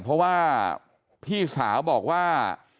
เพราะว่าพี่สาวบอกว่า